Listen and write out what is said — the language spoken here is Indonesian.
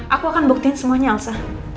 aku akan buktiin semuanya alsa